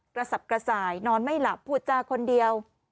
สับกระส่ายนอนไม่หลับพูดจาคนเดียว